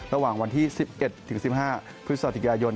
ระหว่างวันที่๑๑๑๕พฤษฎิยาโยน